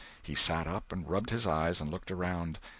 He sat up and rubbed his eyes and looked around.